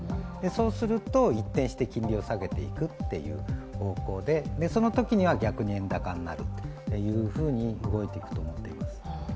そうすると一転して金利を下げていくという方向でそのときには逆に円高になるというふうに動いていくと思っています。